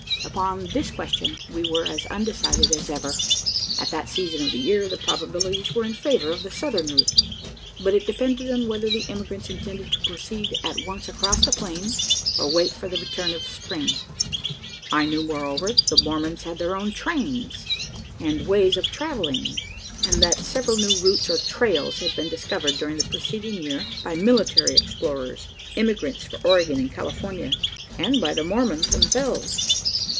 Upon this question we were as undecided as ever. At that season of the year, the probabilities were in favour of the southern route; but it depended on whether the emigrants intended to proceed at once across the plains, or wait for the return of spring. I knew, moreover, that the Mormons had their own "trains," and ways of travelling; and that several new routes or "trails" had been discovered during the preceding year, by military explorers, emigrants for Oregon and California, and by the Mormons themselves.